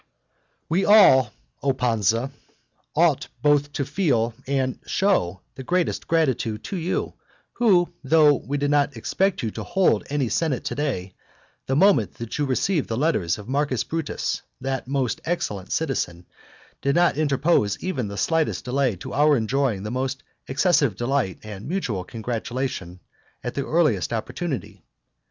I. We all, O Pansa, ought both to feel and to show the greatest gratitude to you, who though we did not expect that you would hold any senate to day, the moment that you received the letters of Marcus Brutus, that most excellent citizen, did not interpose even the slightest delay to our enjoying the most excessive delight and mutual congratulation at the earliest opportunity.